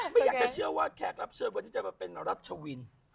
ไม่อยากจะเชื่อว่าแขกรับเชิญวันนี้จะมาเป็นรัชวิน